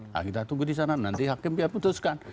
nah kita tunggu di sana nanti hakim biar putuskan